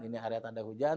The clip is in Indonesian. ini area tanda hujan